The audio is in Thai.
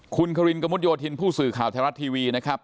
คุณครินกระมุดโยธินผู้สื่อข่าวไทยรัฐทีวีนะครับ